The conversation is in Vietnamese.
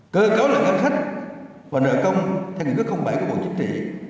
cơ cấu lợi ngân sách và nợ công theo ngân sách bảy của bộ chính trị